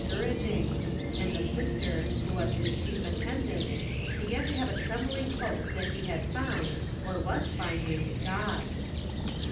coiimpfing, and tho sister, who was his chief atten diint, began to have a tremblinj,' hope that ho had found, or was finding, (tod.